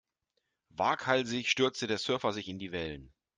Waghalsig stürzte der Surfer sich in die Wellen.